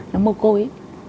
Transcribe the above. nó mồ côi